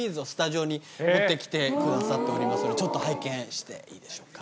持って来てくださっておりますのでちょっと拝見していいでしょうか。